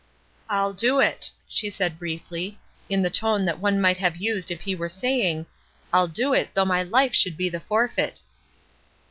"ril do it," she said briefly, in the tone that one might have used if he were saying, "I'll do it, though my life should be the forfeit."